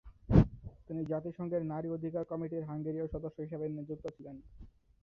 তিনি জাতিসংঘের নারী অধিকার কমিটির হাঙ্গেরীয় সদস্য হিসাবে নিযুক্ত ছিলেন।